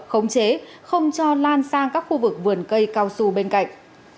khống chế không cho lan sang các khu vực vườn cây cao su bên cạnh